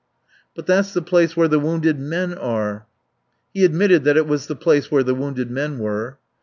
"But that's the place where the wounded men are." He admitted that it was the place where the wounded men were.